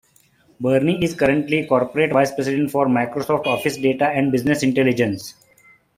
Burney is currently corporate vice president for Microsoft Office Data and Business Intelligence.